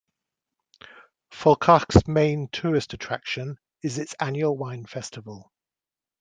Volkach's main tourist attraction is its annual wine festival.